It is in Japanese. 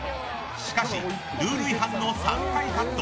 しかし、ルール違反の３回カット。